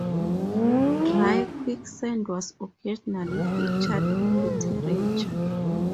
Dry quicksand was occasionally featured in literature.